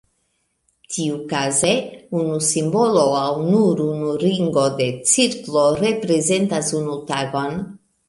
Tiukaze unu simbolo aŭ nur unu ringo de cirklo reprezentas unu tagon.